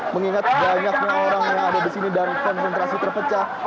mengingat banyaknya orang yang ada di sini dan konsentrasi terpecah